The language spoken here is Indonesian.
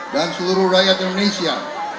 dan seluruh rakyat indonesia